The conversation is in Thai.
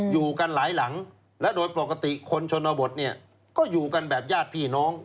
อยู่กันหลายหลังและโดยปกติคนชนบทเนี่ยก็อยู่กันแบบญาติพี่น้อง